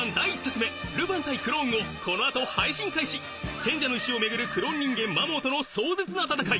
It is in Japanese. Ｈｕｌｕでは「賢者の石」を巡るクローン人間マモーとの壮絶な戦い！